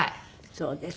そうですか。